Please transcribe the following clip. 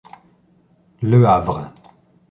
Le Havre.